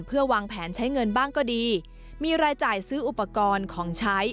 เพื่อวางแผนใช้เงินบ้างก็ดีมีรายจ่ายซื้ออุปกรณ์ของใช้